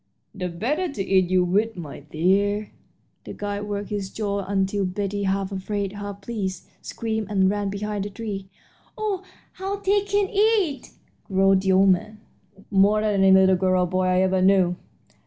"The better to eat you with, my dear." The guide worked his jaws until Betty, half afraid and half pleased, screamed and ran behind a tree. "Oh, how they can eat!" growled the old man, "more than any little girl or boy I ever knew!